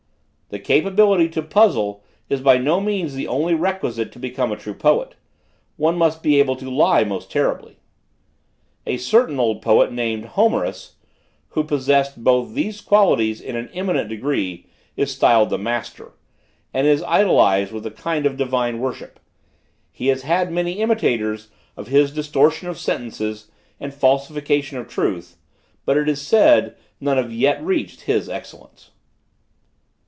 The capability to puzzle is by no means the only requisite to become a true poet; one must be able to lie most terribly. A certain old poet named Homerus, who possessed both these qualities in an eminent degree, is styled the 'master,' and is idolized with a kind of divine worship. He has had many imitators of his distortion of sentences and falsification of truth; but, it is said, none have yet reached his excellence.